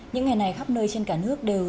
những ngày này khắp nơi trên cả nước đều